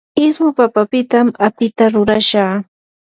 ismu papapitam apita rurashaa.